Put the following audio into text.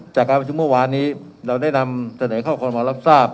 จากการประชุมเมื่อวานนี้เราได้นำเสนอข้อความมารับทราบ